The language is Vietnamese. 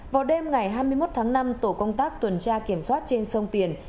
vào đêm ngày hai mươi một tháng năm tổ công tác tuần tra kiểm soát trên sông tiền